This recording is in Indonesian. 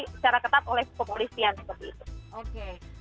jadi secara ketat oleh kepolisian seperti itu